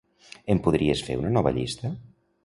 Em podries fer una nova llista?